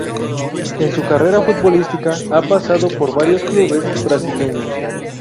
En su carrera futbolista ha pasado por varios clubes brasileños.